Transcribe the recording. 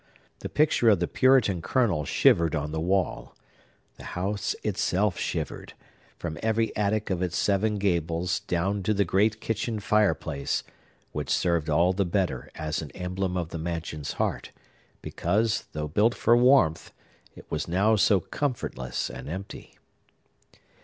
The picture of the Puritan Colonel shivered on the wall. The house itself shivered, from every attic of its seven gables down to the great kitchen fireplace, which served all the better as an emblem of the mansion's heart, because, though built for warmth, it was now so comfortless and empty.